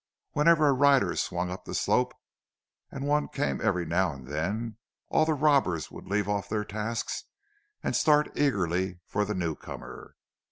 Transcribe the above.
Whenever a rider swung up the slope, and one came every now and then, all the robbers would leave off their tasks and start eagerly for the newcomer.